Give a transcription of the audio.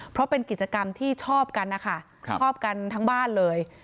เพราะเป็นกิจกรรมที่ชอบกันนะคะชอบกันทั้งบ้านเลย